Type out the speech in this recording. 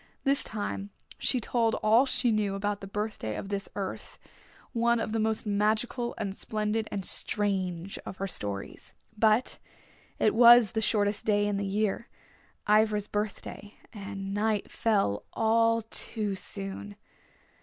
This time she told all she knew about the birthday of this Earth, one of the most magical and splendid and strange of her stories. But it was the shortest day in the year, Ivra's birthday, and night fell all too soon.